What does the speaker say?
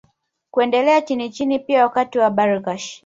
Kuendelea chinichini pia Wakati wa Bargash